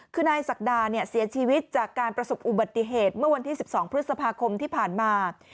คือนายศักดาเนี่ยเสียชีวิตจากการประสบอุบัติเหตุเมื่อวันที่๑๒พฤษภาคมที่ผ่านมา